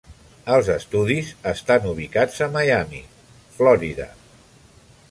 Els estudis estan ubicats a Miami, Florida.